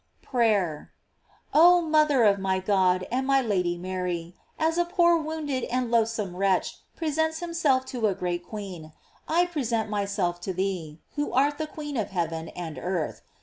PRAYER. Oh Mother of my God and my Lady Mary, as a poor wounded and loathsome wretch pre sents himself to a great queen, I present my self to thee, who art the queen of heaven and earth.